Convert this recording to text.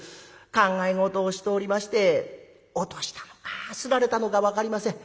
考え事をしておりまして落としたのかすられたのか分かりません。